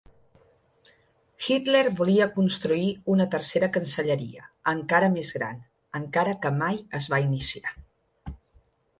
Hitler volia construir una tercera Cancelleria, encara més gran, encara que mai es va iniciar.